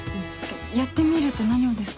やってみるって何をですか？